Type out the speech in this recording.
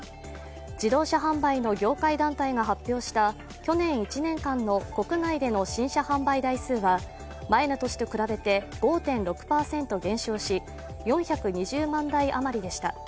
自動車販売の業界団体が発表した去年１年間の国内での新車販売台数は前の年と比べて５．６％減少し４２０万台余りでした。